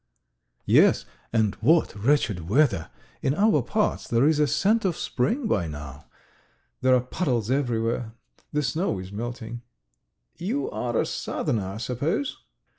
"Yes, and what wretched weather! In our parts there is a scent of spring by now. ... There are puddles everywhere; the snow is melting." "You are a southerner, I suppose?"